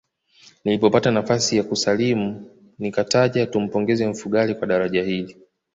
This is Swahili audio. Nilipopata nafasi ya kusalimu nikataja tumpongeze Mfugale kwa daraja hili